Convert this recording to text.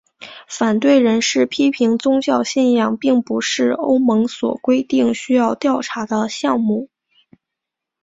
反对人士批评宗教信仰并不是欧盟所规定需要调查的项目。